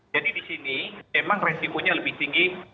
jadi di sini memang resikonya lebih tinggi